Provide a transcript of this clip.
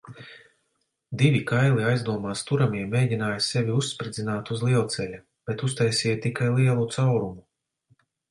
Divi kaili aizdomās turamie mēģināja sevi uzspridzināt uz lielceļa, bet uztaisīja tikai lielu caurumu.